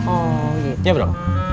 oh gitu ya bro